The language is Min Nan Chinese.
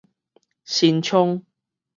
新昌